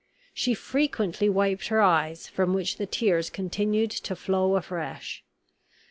She frequently wiped her eyes, from which the tears continued to flow afresh.